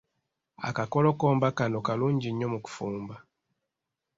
Akakolokomba kano kalungi nnyo mu kufumba.